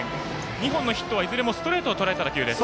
２本のヒットは、いずれもストレートをとらえた打球です。